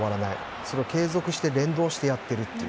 それを継続して連動してやっているという。